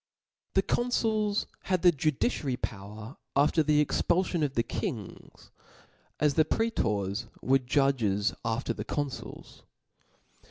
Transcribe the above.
'\'' The cohiuls had J the judiciary power after the expulfion of the kings, as the prae tors were .^ judges after the confiils.